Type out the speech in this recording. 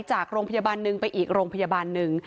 จากโรงพยาบาลหนึ่งไปอีกโรงพยาบาลหนึ่ง